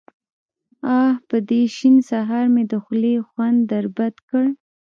_اه! په دې شنه سهار مې د خولې خوند در بد کړ.